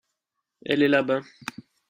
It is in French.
elle est là-bas.